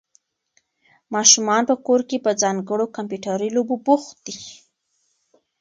ماشومان په کور کې په ځانګړو کمپیوټري لوبو بوخت دي.